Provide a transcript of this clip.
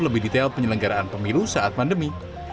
lebih detail penyelenggaraan pemilu saat pandemi